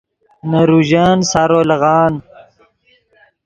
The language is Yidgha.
نے روژن سارو لیغان